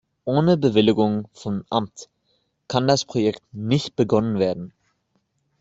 Ohne Bewilligung vom Amt kann das Projekt nicht begonnen werden.